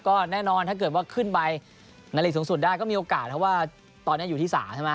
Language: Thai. ก็แน่นอนถ้าเกิดว่าขึ้นไปในหลีกสูงสุดได้ก็มีโอกาสเพราะว่าตอนนี้อยู่ที่๓ใช่ไหม